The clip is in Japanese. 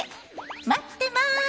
待ってます！